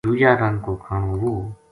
دُوجا رنگ کو کھانو وُہ